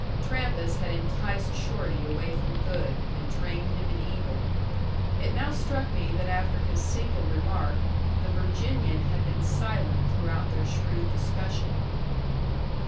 Trampas had enticed Shorty away from good, and trained him in evil. It now struck me that after his single remark the Virginian had been silent throughout their shrewd discussion.